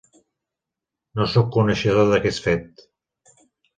No soc coneixedor d'aquest fet.